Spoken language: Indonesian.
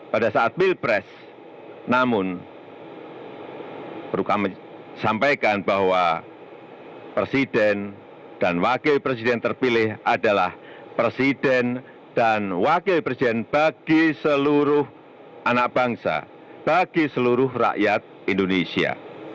pada saat pilpres namun perlu kami sampaikan bahwa presiden dan wakil presiden terpilih adalah presiden dan wakil presiden bagi seluruh anak bangsa bagi seluruh rakyat indonesia